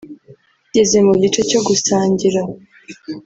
kigeze mu gice cyo gusangira